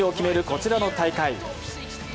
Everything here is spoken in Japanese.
こちらの大会。